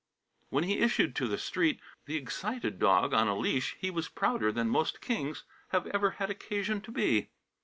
When he issued to the street, the excited dog on a leash, he was prouder than most kings have ever had occasion to be.